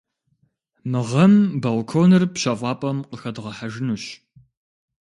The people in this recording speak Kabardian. Мы гъэм балконыр пщэфӏапӏэм къыхэдгъэхьэжынущ.